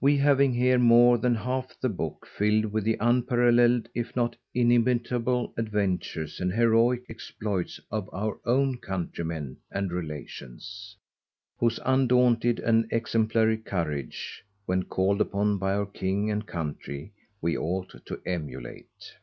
We having here more than half the Book filled with the unparallel'd, if not inimitable, adventures and_ Heroick _exploits of our own Country men, and Relations; whose undaunted, and exemplary courage, when called upon by our King and Country, we ought to emulate.